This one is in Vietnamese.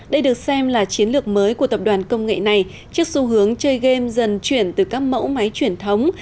đây được xem là chiến lược mới của tập đoàn công nghệ này trước xu hướng chơi game dần chuyển từ các mẫu máy truyền thống